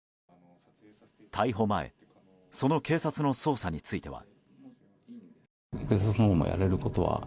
逮捕前その警察の捜査については。